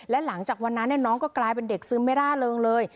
และหลังจากวันนั้นน้องก็กลายเป็นเด็กซึมไม่ร่าเริงเลย